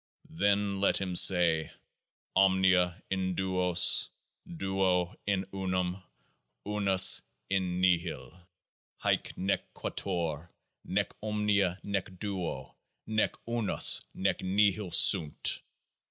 ] Then let him say : OMNIA IN DUOS : DUO IN UNUM : UNUS IN NIHIL : HAEC NEC QUATUOR NEC OMNIA NEC DUO NEC UNUS NEC NIHIL SUNT.